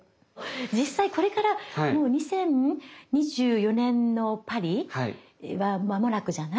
実際これからもう２０２４年のパリは間もなくじゃない？